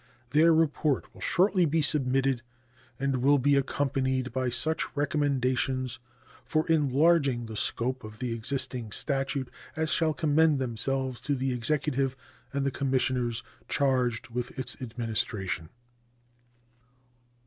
Their report will shortly be submitted, and will be accompanied by such recommendations for enlarging the scope of the existing statute as shall commend themselves to the Executive and the Commissioners charged with its administration.